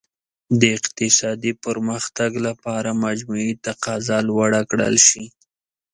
د اقتصادي پرمختګ لپاره مجموعي تقاضا لوړه کړل شي.